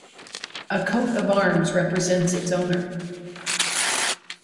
A coat of arms represents its owner.